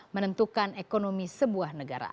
menentukan ekonomi sebuah negara